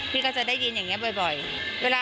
พี่ก็จะได้ยินอย่างนี้บ่อย